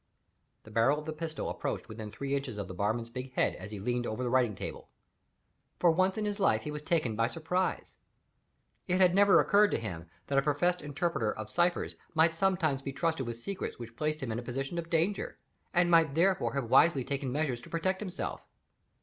The barrel of the pistol approached within three inches of the barman's big head as he leaned over the writing table. For once in his life he was taken by surprise. It had never occurred to him that a professed interpreter of ciphers might sometimes be trusted with secrets which placed him in a position of danger, and might therefore have wisely taken measures to protect himself.